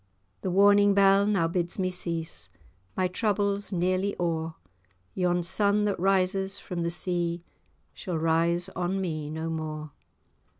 The warning bell now bids me cease; My troubles nearly o'er; Yon sun that rises from the sea, Shall rise on me no more.